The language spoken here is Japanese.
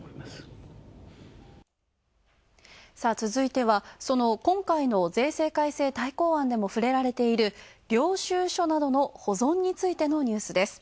続いては、その今回の税制改正大綱案でも触れられている領収書などの保存についてのニュースです。